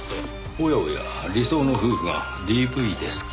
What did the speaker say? おやおや理想の夫婦がＤＶですか。